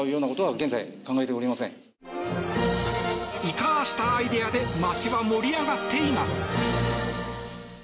イカしたアイデアで町は盛り上がっています。